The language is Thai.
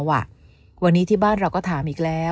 วันนี้ที่บ้านเราก็ถามอีกแล้ว